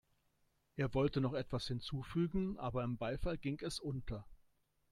Er wollte noch etwas hinzufügen, aber im Beifall ging es unter.